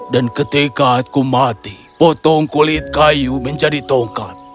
dan ketika aku mati potong kulit kayu menjadi tongkat